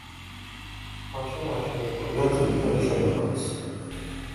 მაშინ აშენებულია ძირითადი შენობაც.